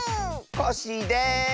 コッシーです！